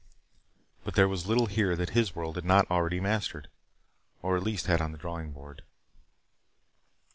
But there was little here that his world had not already mastered or at least had on the drawing board.